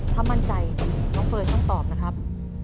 ถ้ามั่นใจน้องเฟิร์นต้องตอบนะครับ